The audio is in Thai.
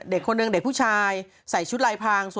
เด็กคนหนึ่งเด็กผู้ชายใส่ชุดลายพาง